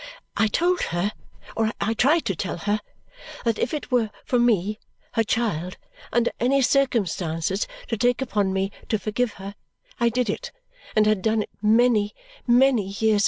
I told her or I tried to tell her that if it were for me, her child, under any circumstances to take upon me to forgive her, I did it, and had done it, many, many years.